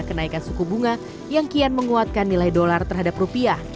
kenaikan suku bunga yang kian menguatkan nilai dolar terhadap rupiah